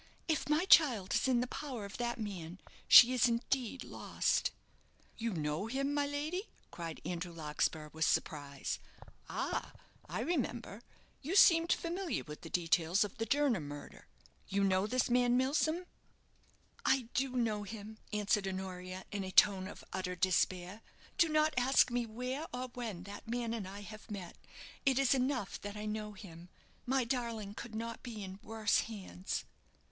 "If my child is in the power of that man, she is, indeed, lost." "You know him, my lady?" cried Andrew Larkspur, with surprise. "Ah, I remember, you seemed familiar with the details of the Jernam murder. You know this man, Milsom?" "I do know him," answered Honoria, in a tone of utter despair. "Do not ask me where or when that man and I have met. It is enough that I know him. My darling could not be in worse hands."